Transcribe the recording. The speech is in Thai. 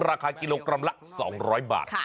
ราคากิโลกรัมละ๒๐๐บาท